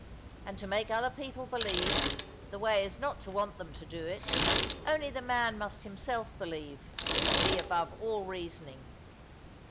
And to make other people believe, the way is not to want them to do it; only the man must himself believe, and be above all reasoning.